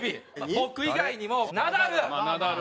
僕以外にもナダル。